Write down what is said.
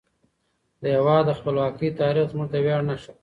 د هیواد د خپلواکۍ تاریخ زموږ د ویاړ نښه ده.